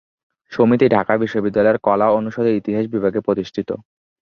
সমিতিটি ঢাকা বিশ্ববিদ্যালয়ের কলা অনুষদের ইতিহাস বিভাগে প্রতিষ্ঠিত।